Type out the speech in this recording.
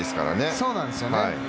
そうなんですよね。